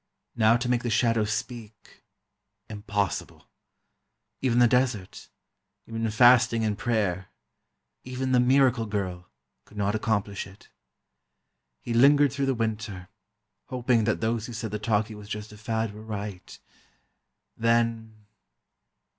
Now to make the shadows speak ... impossible. Even the desert ... even fasting and prayer ... even "The Miracle Girl," could not accomplish it. He lingered through the winter, hoping that those who said the talkie was just a fad were right. Then....